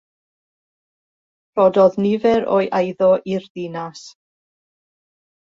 Rhoddodd nifer o'i eiddo i'r ddinas.